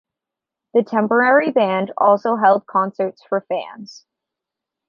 The temporary band also held concerts for fans.